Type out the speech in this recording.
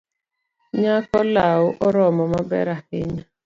Nyako lau oromo maber ahinya.